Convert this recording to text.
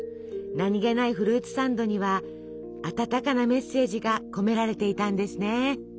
何気ないフルーツサンドには温かなメッセージが込められていたんですね。